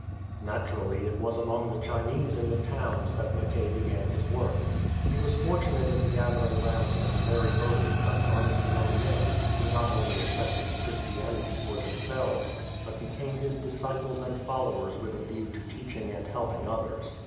Naturally it v/as among the Chinese in the towns that Mackay began his work. He was fortunate in gathering round him very early some earnest young men, who not only accepted Christianity for themselves, but became his disciples and followers with a view to teaching and help ing others.